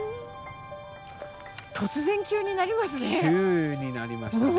突然急になりますね。